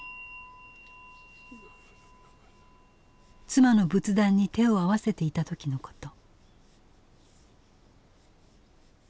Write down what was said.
妻の仏壇に手を合わせていた時のこと。